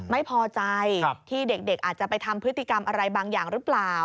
ไม่พอใจที่เด็กอาจจะไปทำพฤติกรรมอะไรบางอย่างหรือเปล่า